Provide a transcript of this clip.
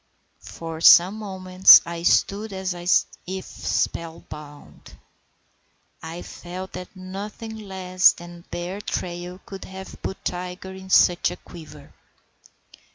For some moments I stood as if spell bound. I felt that nothing less than a bear trail could have put Tiger in such a quiver.